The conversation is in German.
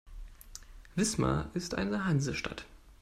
Wismar ist eine Hansestadt.